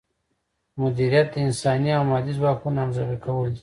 مدیریت د انساني او مادي ځواکونو همغږي کول دي.